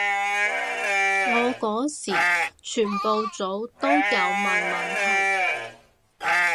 我嗰時全部組都有問問題